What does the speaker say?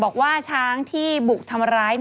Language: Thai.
บอกว่าช้างที่บุกทำร้าย